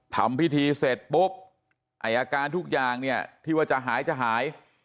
ทำพิธีเสร็จปุ๊บไอ้อาการทุกอย่างเนี่ยที่ว่าจะหายจะหาย